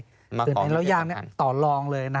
มาของพิเศษสำคัญแต่ไหนเล่าย่างต่อลองเลย